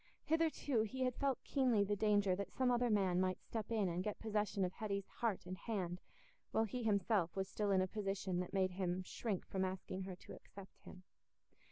Hitherto he had felt keenly the danger that some other man might step in and get possession of Hetty's heart and hand, while he himself was still in a position that made him shrink from asking her to accept him.